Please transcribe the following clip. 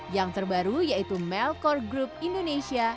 yang terbaru yaitu melkore group indonesia